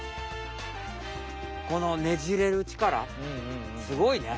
このねじれるちからすごいね！